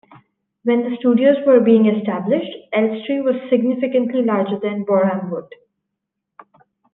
When the studios were being established, Elstree was significantly larger than Borehamwood.